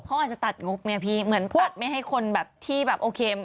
ก็อาจจะตัดงกเนี่ยพี่เหมือนตัดไม่ให้คนที่แบบโอเค